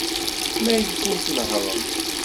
Maɣef ur tnehhṛem?